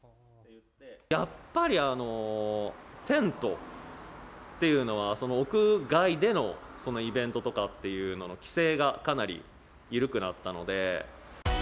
やっぱりテントっていうのは、屋外でのイベントとかっていうのの規制がかなり緩くなったので。